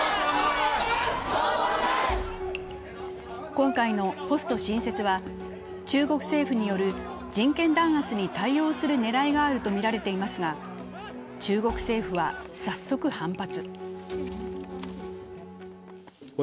今回のポスト新設は、中国政府による人権弾圧に対応するねらいがあるとみられていますが、中国政府は早速、反発。